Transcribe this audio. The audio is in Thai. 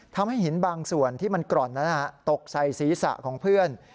ทำให้หินบางส่วนที่มันกร่อนนั้นตกใส่ศีรษะของเพื่อน